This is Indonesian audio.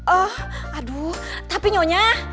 oh aduh tapi nyonya